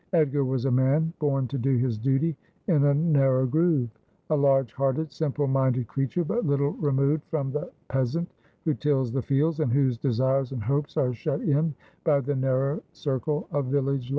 Edgar was a man born to do his duty in a narrow groove ; a large hearted, simple minded creature, but little removed from the peasant who tills the fields, and whose desires and hopes are shut in by the narrow circle of village life.